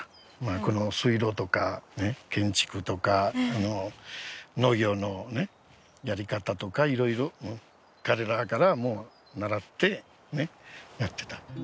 この水路とか建築とか農業のねやり方とかいろいろ彼らから習ってやってた。